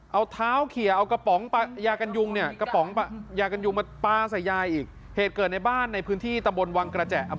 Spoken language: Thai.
เอาเท้าเขียเอากระป๋องปลา